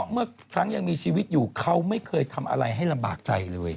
เมื่อครั้งยังมีชีวิตอยู่เขาไม่เคยทำอะไรให้ลำบากใจเลย